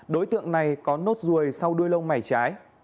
đối tượng này có nốt ruồi sau đuôi lông mày trái